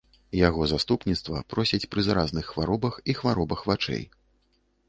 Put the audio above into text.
Яго заступніцтва просяць пры заразных хваробах і хваробах вачэй.